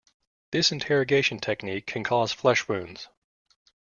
This interrogation technique can cause flesh wounds.